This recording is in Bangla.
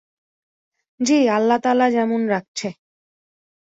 জ্বি, আল্লাহ তালা যেমুন রাখছে।